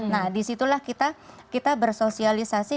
nah disitulah kita bersosialisasi